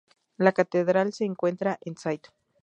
La catedral se encuentra en St.